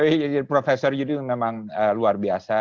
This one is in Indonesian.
tapi profesor yudi memang luar biasa